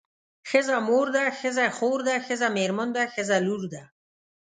ښځه مور ده ښځه خور ده ښځه مېرمن ده ښځه لور ده.